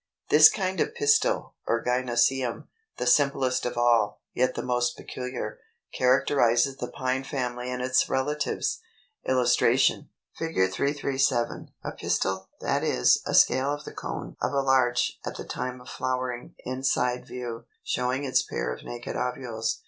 This kind of pistil, or gynœcium, the simplest of all, yet the most peculiar, characterizes the Pine family and its relatives. [Illustration: Fig. 337. A pistil, that is, a scale of the cone, of a Larch, at the time of flowering; inside view, showing its pair of naked ovules.